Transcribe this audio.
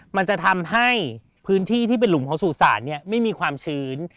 มันจะทำให้พื้นที่ที่เป็นหลุมของสู่ศาลไม่มีความชื้น